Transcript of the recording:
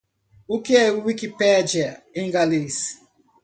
O que é Wikipedia em galês?